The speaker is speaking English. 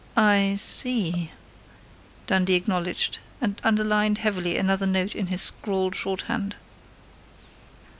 "I see," Dundee acknowledged, and underlined heavily another note in his scrawled shorthand.